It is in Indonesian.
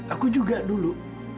aku juga dulu